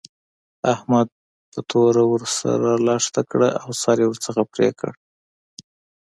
احمد په توره ور سره لښته کړه او سر يې ورڅخه پرې کړ.